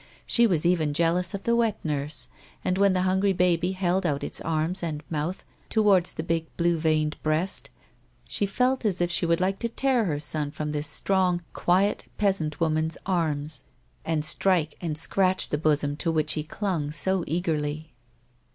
She was even jealous of the wet nurse, and when the hungry baby held out its arms and mouth towards the big blue veined breast, she felt as if she would like to tear her son from this strong, quiet A WOMAIn'S life. 127 peasant woman's arms, and strike and scratch the bosom to which he clung so eagerly.